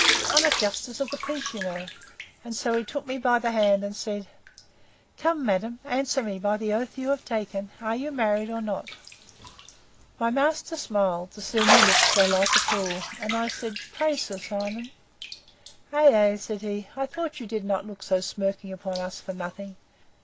I'm a justice of the peace, you know. And so he took me by the hand, and said, Come, madam, answer me, by the oath you have taken: Are you married or not? My master smiled, to see me look so like a fool; and I said, Pray, Sir Simon!—Ay, ay, said he; I thought you did not look so smirking upon us for nothing.